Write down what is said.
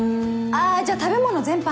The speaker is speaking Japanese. あじゃ食べ物全般。